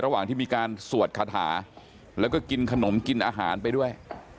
ระหว่างที่มีการสวดคาถาแล้วก็กินขนมกินอาหารไปด้วย